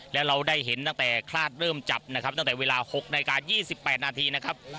และเราได้เห็นตั้งแต่คลาดเริ่มจับนะครับตั้งแต่เวลา๖นาฬิกา๒๘นาทีนะครับ